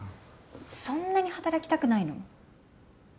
そんなに働きたくないの？